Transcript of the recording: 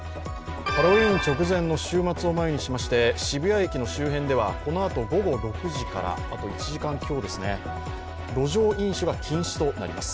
ハロウィーン直前の週末を前にしまして渋谷駅の周辺ではこのあと午後６時から、あと１時間強ですね、路上飲酒が禁止となります。